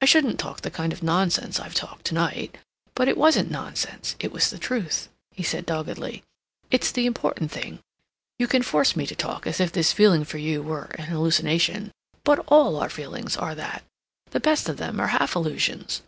I shouldn't talk the kind of nonsense I've talked to night.... But it wasn't nonsense. It was the truth," he said doggedly. "It's the important thing. You can force me to talk as if this feeling for you were an hallucination, but all our feelings are that. The best of them are half illusions.